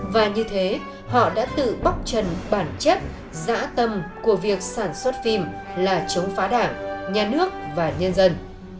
và như thế họ đã tự bóc trần bản chất giã tâm của việc sản xuất phim là chống phá đảng nhà nước và nhân dân